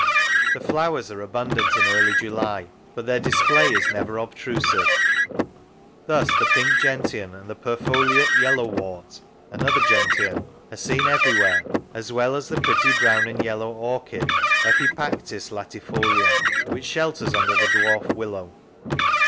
The flowers are abun dant in early July, but their display is never obtrusive. Thus, the pink gentian, and the perfoliate yellow wort (another gentian), are seen everywhere, as well as the pretty brown and yellow orchid Epipactis latifolia, which shelters under the dwarf willow.